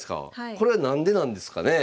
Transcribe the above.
これは何でなんですかねえ。